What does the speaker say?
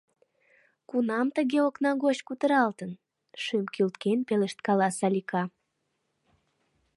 Кунам тыге окна гоч кутыралтын? — шӱм кӱлткен пелешткала Салика.